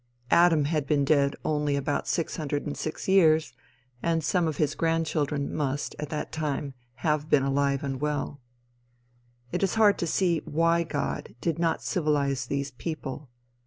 Adam had been dead only about six hundred and six years, and some of his grand children must, at that time, have been alive and well. It is hard to see why God did not civilize these people.